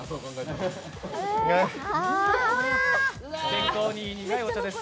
本当に苦いお茶です。